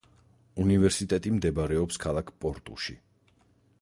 უნივერსიტეტი მდებარეობს ქალაქ პორტუში.